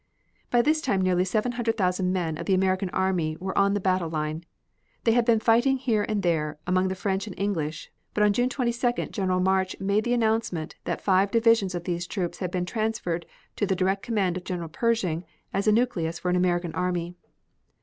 By this time nearly seven hundred thousand men of the American army were on the battle line. They had been fighting here and there among the French and English but on June 22d General March made the announcement that five divisions of these troops had been transferred to the direct command of General Pershing as a nucleus for an American army.